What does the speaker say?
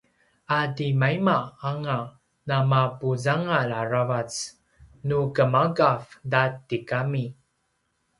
a timaima anga namapuzangal aravac nu gemaugav ta tigami